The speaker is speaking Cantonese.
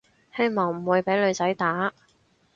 希望唔會畀女仔打